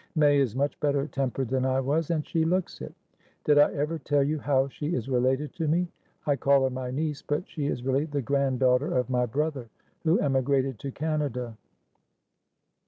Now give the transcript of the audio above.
May is much better tempered than I was, and she looks it. Did I ever tell you how she is related to me? I call her my niece, but she is really the grand daughter of my brother, who emigrated to Canada."